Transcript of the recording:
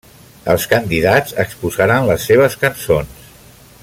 Els candidats exposaren les seves cançons.